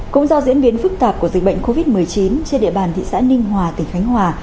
cũng do diễn biến phức tạp của dịch bệnh covid một mươi chín trên địa bàn thị xã ninh hòa tỉnh khánh hòa